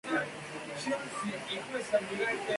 El río Chubut es el gran colector de la zona.